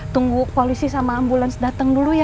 tunggu polisi sama ambulans datang dulu ya